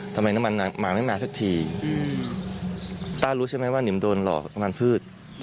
ทำไมน้ำมันมาไม่มาสักทีต้ารู้ใช่ไหมว่านิมโดนหลอกน้ำมันพืช